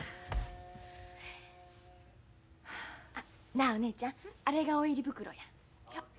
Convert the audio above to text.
なあお姉ちゃんあれが大入袋や。